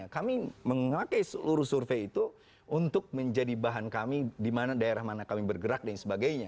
kami memakai seluruh survei itu untuk menjadi bahan kami di mana daerah mana kami bergerak dan sebagainya